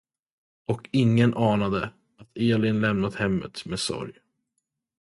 Och ingen anade, att Elin lämnat hemmet med sorg.